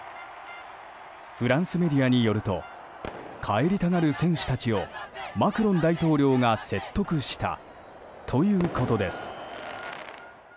フランスメディアによると帰りたがる選手たちをマクロン大統領が説得したということです。